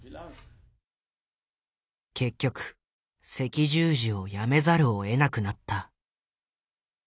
結局赤十字を辞めざるをえなくなった。